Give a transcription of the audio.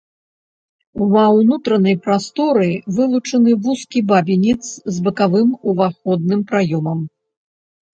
Ва ўнутранай прасторы вылучаны вузкі бабінец з бакавым уваходным праёмам.